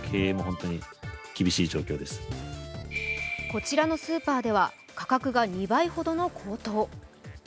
こちらのスーパーでは価格が２倍ほどの高騰。